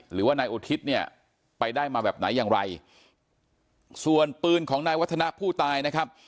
หรือว่านายอุทิศเนี่ยไปได้มาแบบไหนอย่างไรส่วนปืนของนายวัฒนะผู้ตายนะครับ